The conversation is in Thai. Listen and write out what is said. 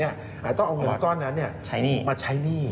แต่ต้องเอาเงินก้อนนั้นมาใช้หนี้